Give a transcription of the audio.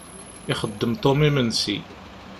Ixeddem Tom imensi.